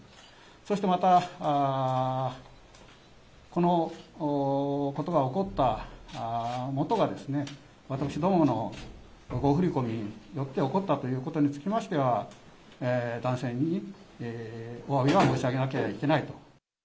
そしてまた、このことが起こったもとが、私どもの誤振り込みによって起こったということにつきましては、男性におわびは申し上げなければいけないと。